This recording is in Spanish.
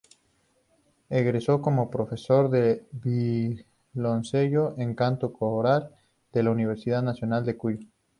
Egresó como profesor de violoncello y canto coral, de la Universidad Nacional de Cuyo.